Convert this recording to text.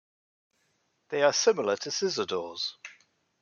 They are similar to scissor doors.